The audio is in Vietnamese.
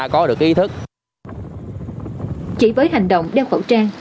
chỉ với hành động đeo khẩu trang